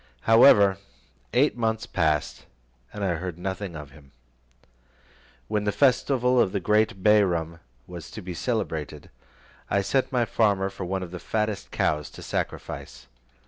However, eight months passed, and I heard nothing of him. When the festival of the great Bairam was to be celebrated, I sent to my farmer for one of the fattest cows to sacrifice.